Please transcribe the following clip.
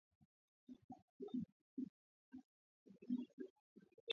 Mamia ya waandamanaji waliingia kwenye mitaa yote ya Khartoum na mji wake pacha wa Omdurman